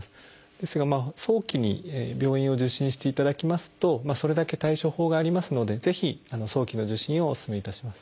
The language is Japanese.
ですが早期に病院を受診していただきますとそれだけ対処法がありますのでぜひ早期の受診をおすすめいたします。